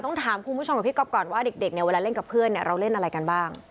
ต้องถามคุณผู้ชมกับพี่ก๊อปก่อนว่าเด็กเนี่ยเวลาเล่นกับเพื่อนเราเล่นอะไรกันบ้าง